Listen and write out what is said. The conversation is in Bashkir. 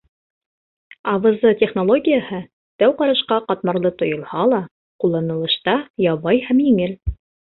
АВЗ технологияһы, тәү ҡарашҡа ҡатмарлы тойолһа ла, ҡулланылышта ябай һәм еңел.